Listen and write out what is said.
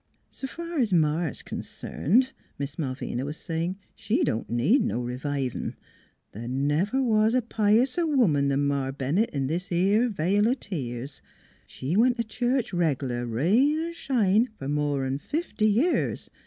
" 'S fur's Ma's concerned," Miss Malvina was saying, " she don't need no revivin'. The' never was a piouser woman 'an Ma Bennett in this 'ere vale o' tears. She's went t' church reg'lar, rain er shine, for more 'n fifty years.